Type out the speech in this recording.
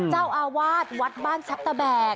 เจ้าอาวาสวัดบ้านชัพเตอร์แบก